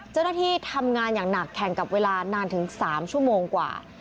เจ้าหน้าที่ทำงานอย่างหนักแข่งกับเวลานานถึง๓ชั่วโมงกว่า